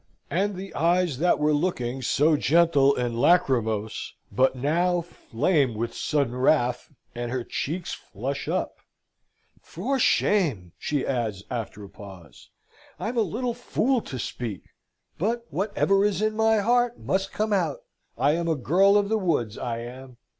And the eyes that were looking so gentle and lachrymose but now, flame with sudden wrath, and her cheeks flush up. "For shame!" she adds, after a pause. "I'm a little fool to speak! But whatever is in my heart must come out. I am a girl of the woods, I am.